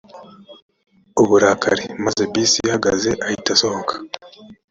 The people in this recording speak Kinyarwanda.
uburakari maze bisi ihagaze ahita asohoka